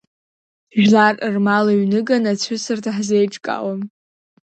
Жәлар рмал ҩныганы ацәысырҭа ҳзеиҿкаауам.